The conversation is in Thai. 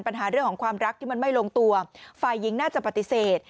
ปัญหาเรื่องของความรักที่มันไม่ลงตัวฝ่ายหญิงน่าจะปฏิเสธ